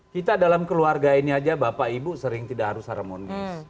kita dalam keluarga ini aja bapak ibu sering tidak harus harmonis